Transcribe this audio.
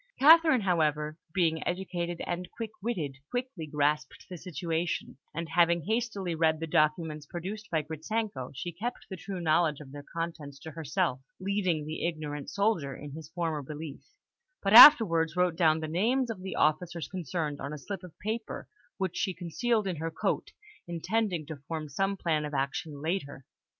Catherine, however, being educated and quick witted, quickly grasped the situation, and having hastily read the documents produced by Gritzenko, she kept the true knowledge of their contents to herself, leaving the ignorant soldier in his former belief, but afterwards wrote down the names of the officers concerned on a slip of paper, which she concealed in her coat, intending to form some plan of action later.